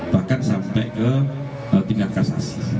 bahkan sampai ke tingkat kasus